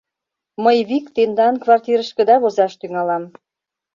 — Мый вик тендан квартирышкыда возаш тӱҥалам.